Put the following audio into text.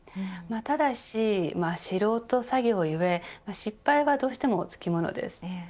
ただし、素人作業ゆえ失敗はどうしてもつきものです。